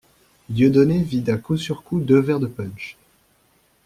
Dieudonné vida coup sur coup deux verres de punch.